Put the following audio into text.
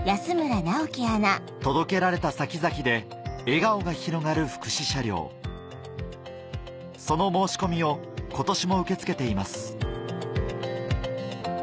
届けられた先々で笑顔が広がる福祉車両その申し込みを今年も受け付けています